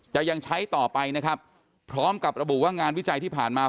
ยังใช้ต่อไปนะครับพร้อมกับระบุว่างานวิจัยที่ผ่านมา